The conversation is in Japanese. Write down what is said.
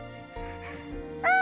うん！